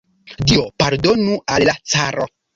Dio pardonu al la caro!